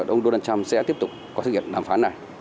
ông donald trump sẽ tiếp tục có thực hiện đàm phán này